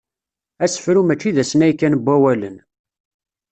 Asefru mačči d asnay kan n wawalen.